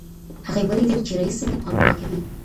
هغې ولیدل چې رییس څنګه پانګونه کوي.